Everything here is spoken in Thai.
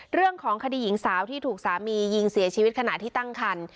เรื่องของคดีหญิงสาวที่ถูกสามียิงเสียชีวิตขณะที่ตั้งคัน